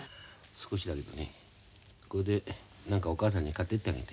少しだけどねこれで何かお母さんに買ってってあげて。